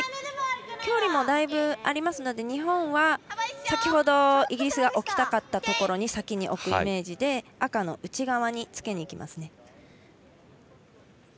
距離もだいぶありますので日本は先ほど、イギリスが置きたかったところに先に置くイメージで、赤の内側につけにいきますね。